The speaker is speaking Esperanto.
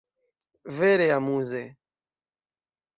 Vere amuze!